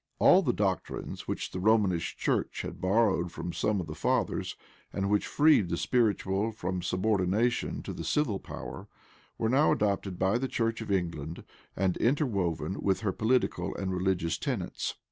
All the doctrines which the Romish church had borrowed from some of the fathers, and which freed the spiritual from subordination to the civil power, were now adopted by the church of England, and interwoven with her political and religious tenets.